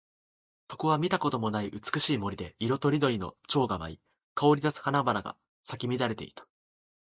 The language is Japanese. そこは見たこともない美しい森で、色とりどりの蝶が舞い、香り立つ花々が咲き乱れていた。